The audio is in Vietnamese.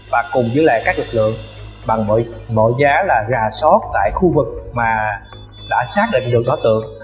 và cùng với các lực lượng bằng mọi giá là rà sót tại khu vực mà đã xác định được đối tượng